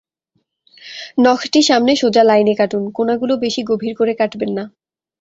নখটি সামনে সোজা লাইনে কাটুন, কোনাগুলো বেশি গভীর করে কাটবেন না।